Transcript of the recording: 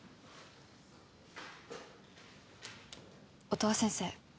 音羽先生